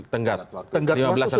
tenggat waktu lima belas agustus